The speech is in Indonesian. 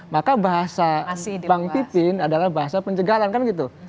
maka bahasa bang pipin adalah bahasa pencegahan kan gitu